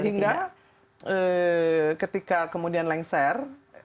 sehingga ketika kemudian lengser